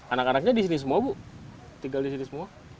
anak anaknya di sini semua bu tinggal di sini semua